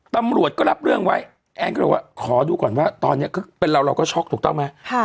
ตำรวจก็รับเรื่องไว้แอนก็เลยบอกว่าขอดูก่อนว่าตอนนี้เป็นเราเราก็ช็อกถูกต้องไหม